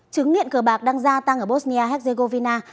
chứng nghiện cờ bạc đang gia tăng ở bosnia hezegovina